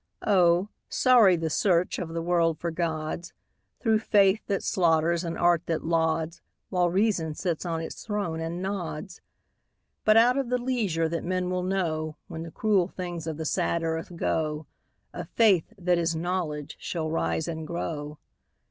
Oh, sorry the search of the world for gods, Through faith that slaughters and art that lauds, While reason sits on its throne and nods. But out of the leisure that men will know, When the cruel things of the sad earth go, A Faith that is Knowledge shall rise and grow.